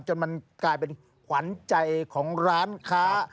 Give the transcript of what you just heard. จนมันกลายเป็นขวัญใจของร้านค้า